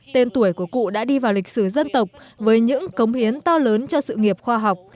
tên tuổi của cụ đã đi vào lịch sử dân tộc với những cống hiến to lớn cho sự nghiệp khoa học